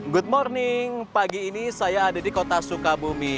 good morning pagi ini saya ada di kota sukabumi